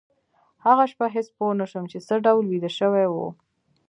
هغه شپه هېڅ پوه نشوم چې څه ډول ویده شوي وو